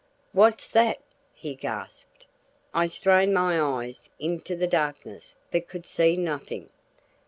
"What's that?" he gasped. I strained my eyes into the darkness but I could see nothing.